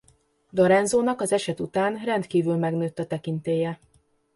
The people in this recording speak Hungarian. Lorenzónak az eset után rendkívül megnőtt a tekintélye.